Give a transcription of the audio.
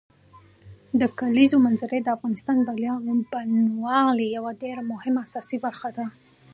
د کلیزو منظره د افغانستان د بڼوالۍ یوه ډېره مهمه او اساسي برخه ده.